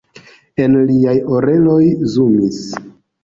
En liaj oreloj zumis.